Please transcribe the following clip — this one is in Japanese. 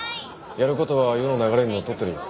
やることは世の流れにのっとってるよ。